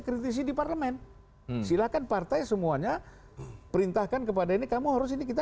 kritisi di parlemen silakan partai semuanya perintahkan kepada ini kamu harus ini kita